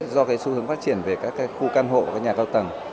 do cái xu hướng phát triển về các khu căn hộ và các nhà cao tầng